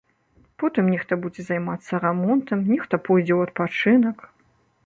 Потым нехта будзе займацца рамонтам, нехта пойдзе ў адпачынак.